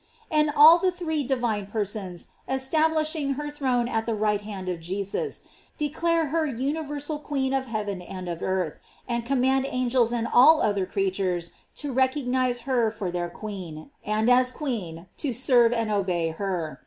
And all the three divine persons establishing her throne at the right hand of Jesus, declare her universal queen of heaven and of earth, and command angels and all other creatures to rec ognize her for their queen, and as queen to serve and obey her.